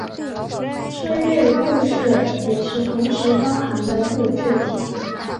春日部市也是同时包含的自治体。